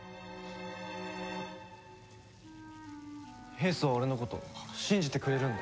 英寿は俺のこと信じてくれるんだ。